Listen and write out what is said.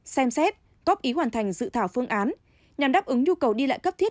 xem xét góp ý hoàn thành dự thảo phương án nhằm đáp ứng nhu cầu đi lại cấp thiết